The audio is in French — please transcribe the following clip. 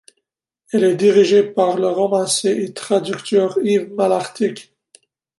Elle est dirigée par le romancier et traducteur Yves Malartic.